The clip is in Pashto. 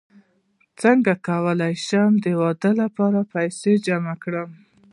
څنګه کولی شم د واده لپاره پیسې جمع کړم